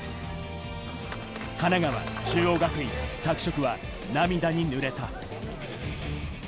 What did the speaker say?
神奈川、中央学院、拓殖は涙に濡れた。